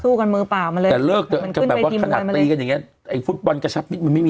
สู้กันมือป่าวมาเลยมันขึ้นไปทีมือมาเลย